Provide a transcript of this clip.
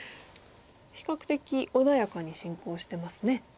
比較的穏やかに進行してますね。